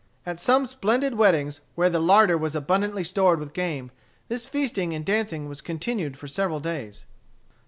At some splendid weddings, where the larder was abundantly stored with game, this feasting and dancing was continued for several days.